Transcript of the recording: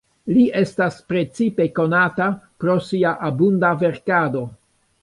Li estas precipe konata pro sia abunda verkado.